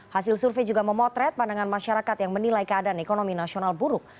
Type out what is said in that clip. hasil survei juga memotret pandangan masyarakat yang menilai keadaan ekonomi nasional buruk